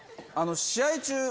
試合中